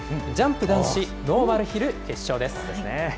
ジャンプ男子ノーマルヒル決勝です。